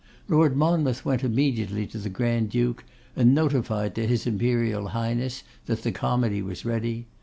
Lord Monmouth went immediately to the Grand duke, and notified to his Imperial Highness that the comedy was ready.